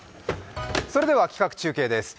それでは企画中継です。